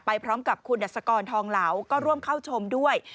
พร้อมกับคุณดัชกรทองเหลาก็ร่วมเข้าชมด้วย